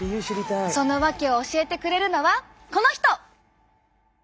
その訳を教えてくれるのはこの人！